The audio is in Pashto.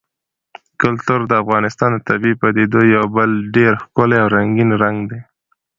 کلتور د افغانستان د طبیعي پدیدو یو بل ډېر ښکلی او رنګین رنګ دی.